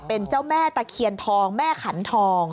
เป็นเจ้าแม่ตะเคียนทองแม่ขันทอง